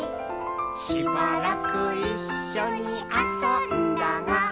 「しばらくいっしょにあそんだが」